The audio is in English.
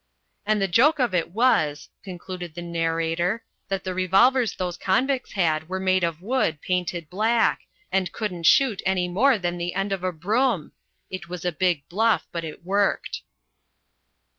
"And the joke of it was," concluded the narrator, "that the revolvers those convicts had were made of wood painted black, and couldn't shoot any more than the end of a broom! It was a big bluff, but it worked."